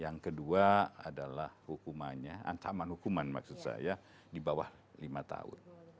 yang kedua adalah hukumannya ancaman hukuman maksud saya di bawah lima tahun